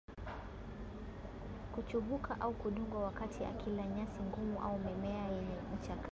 kuchubuka au kudungwa wakati akila nyasi ngumu au mimea yenye ncha kali